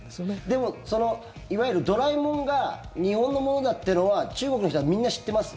でもいわゆる「ドラえもん」が日本のものだってのは中国の人はみんな知ってます？